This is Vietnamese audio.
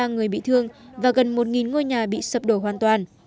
hai trăm năm mươi ba người bị thương và gần một ngôi nhà bị sập đổ hoàn toàn